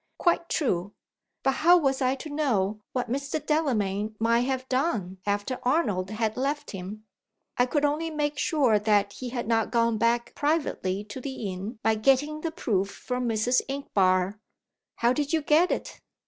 Quite true! But how was I to know what Mr. Delamayn might have done after Arnold had left him? I could only make sure that he had not gone back privately to the inn, by getting the proof from Mrs. Inchbare." "How did you get it?"